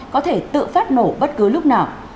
có thể tự phát nổ bất cứ lúc nào